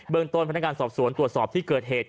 เบิร์นต้นพลันการสอบสวนตรวจสอบที่เกิดเหตุ